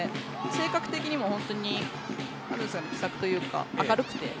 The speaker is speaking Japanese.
性格的にも本当に気さくというか明るくて。